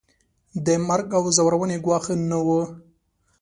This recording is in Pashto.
د مرګ او ځورونې ګواښ نه وو.